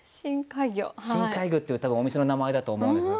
「深海魚」っていう多分お店の名前だと思うんだけど。